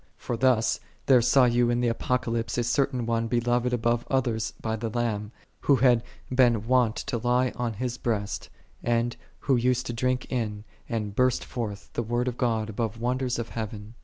For thus there saw you in the Apocalypse a certain one 8 beloved above others by the Lamb, who had been wont to lie on His breast, and who used to drink in, and burst9 forth, the Word of God above wonders of heaven.